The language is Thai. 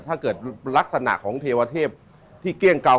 ถ้าเกิดลักษณะของเทวเทพที่เกลี้ยงเก่า